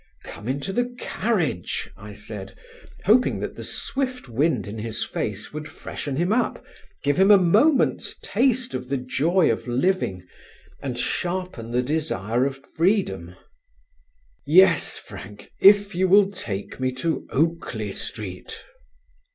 "Come into the carriage," I said, hoping that the swift wind in his face would freshen him up, give him a moment's taste of the joy of living and sharpen the desire of freedom. "Yes, Frank," he said, "if you will take me to Oakley Street."